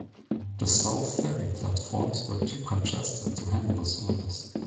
The South Ferry platforms were too congested to handle the service.